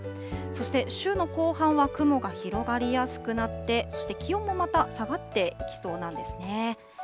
そして週の後半は雲が広がりやすくなって、そして気温もまた下がっていきそうなんですね。